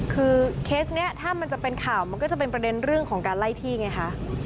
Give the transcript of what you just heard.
คือเคสนี้ถ้ามันจะเป็นข่าวมันก็จะเป็นประเด็นเรื่องของการไล่ที่ไงคะ